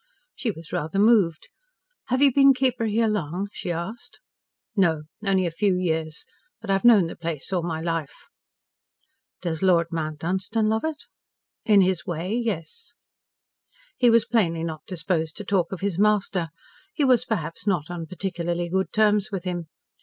She was rather moved. "Have you been keeper here long?" she asked. "No only a few years. But I have known the place all my life." "Does Lord Mount Dunstan love it?" "In his way yes." He was plainly not disposed to talk of his master. He was perhaps not on particularly good terms with him.